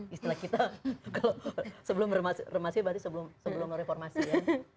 istilah kita kalau sebelum reformasi berarti sebelum reformasi ya